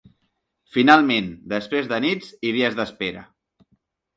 Finalment, després de nits i dies d’espera.